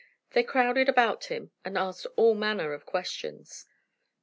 They crowded about him, and asked all manner of questions.